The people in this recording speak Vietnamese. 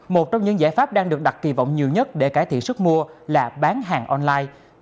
một trong những giải pháp đang được đặt kỳ vọng nhiều nhất để cải thiện sức mua là bán hàng online